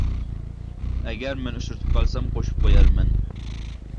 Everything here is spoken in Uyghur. ئەگەر مەن ئۇچرىتىپ قالسام قوشۇپ قويارمەن.